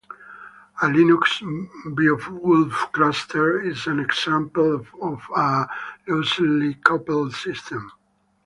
A Linux Beowulf cluster is an example of a loosely coupled system.